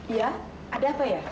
iya ada apa ya